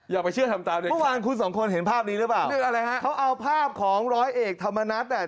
อย่าไปเชื่อทำตามด้วยครับนี่อะไรครับเขาเอาภาพของร้อยเอกธรรมนัด